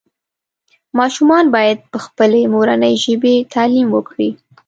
ماشومان باید پخپلې مورنۍ ژبې تعلیم وکړي